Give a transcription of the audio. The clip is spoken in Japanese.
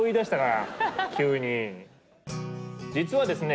実はですね